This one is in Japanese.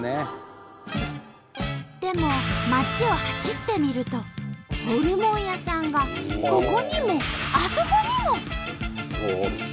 でも町を走ってみるとホルモン屋さんがここにもあそこにも！